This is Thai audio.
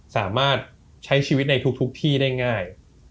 สามารถใช้ชีวิตในทุกที่ได้ง่าย